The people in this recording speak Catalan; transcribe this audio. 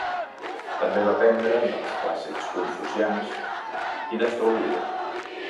També va aprendre dels clàssics confucians i d'astrologia.